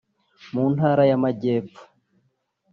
mu Ntara y’Amajyepfo